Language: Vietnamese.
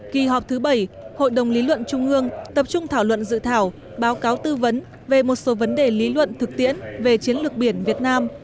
kỳ họp thứ bảy hội đồng lý luận trung ương tập trung thảo luận dự thảo báo cáo tư vấn về một số vấn đề lý luận thực tiễn về chiến lược biển việt nam